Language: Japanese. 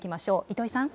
糸井さん。